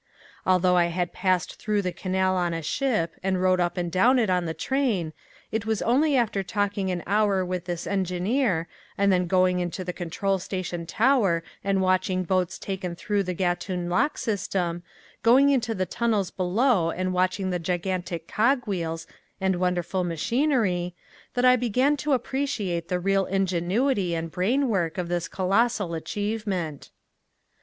Although I had passed through the canal on a ship and rode up and down it on the train it was only after talking an hour with this engineer and then going into the control station tower and watching boats taken through the Gatun lock system, going into the tunnels below and watching the gigantic cog wheels and wonderful machinery, that I began to appreciate the real ingenuity and brain work of this colossal achievement.